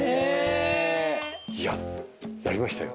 いややりましたよ。